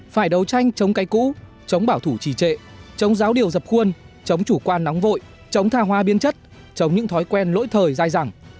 phải đấu tranh chống cây cũ chống bảo thủ trì trệ chống giáo điều dập khuôn chống chủ quan nóng vội chống tha hoa biên chất chống những thói quen lỗi thời dài dẳng